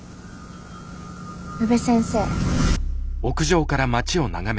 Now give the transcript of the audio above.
宇部先生。